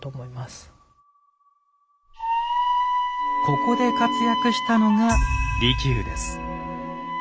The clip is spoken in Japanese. ここで活躍したのが利休です。